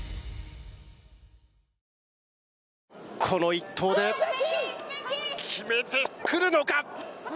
この１投で決めてくるのか。